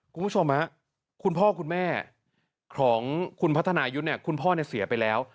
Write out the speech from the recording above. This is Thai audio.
คุณผู้ชมไหมคุณพ่อคุณแม่ของคุณพัฒนายุทธ์คุณพ่อเนี่ยเสียไปแล้ว